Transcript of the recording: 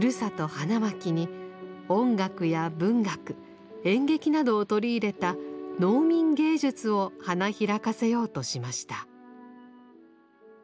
花巻に音楽や文学演劇などを取り入れた「農民芸術」を花開かせようとしました。